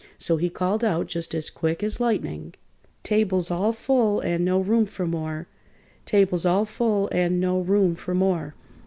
So he called out just as quick as lightning: "Table's all full and no room for more! Table's all full and no room for more!"